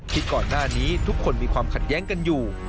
ที่ก่อนหน้านี้ทุกคนมีความขัดแย้งกันอยู่